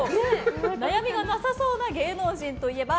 悩みがなさそうな芸能人といえば？